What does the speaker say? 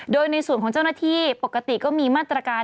โดยในส่วนของเจ้าหน้าที่ปกติก็มีมาตรการ